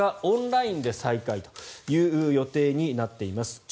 オンラインで再開という予定になっています。